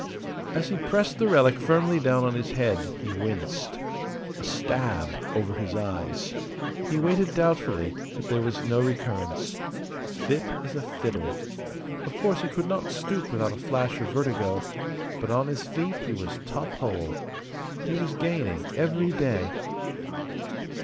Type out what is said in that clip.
As he pressed the relic firmly down on his head he winced. A stab over his eyes. He waited doubtfully; but there was no recurrence. Fit as a fiddle. Of course he could not stoop without a flash of vertigo; but on his feet he was top hole. He was gaining every day.